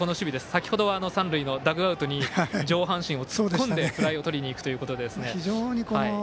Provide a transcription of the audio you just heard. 先ほどは三塁のダグアウトに上半身を突っ込んでフライをとりにいくということで。